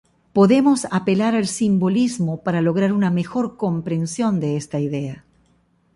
Podemos apelar al simbolismo para lograr una mejor comprensión de esta idea.